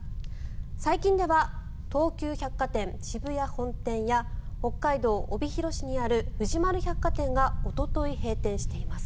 最近では東急百貨店渋谷本店や北海道帯広市にある藤丸百貨店がおととい閉店しています。